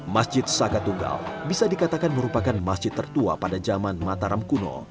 masjid saka tunggal bisa dikatakan merupakan masjid tertua pada zaman mataram kuno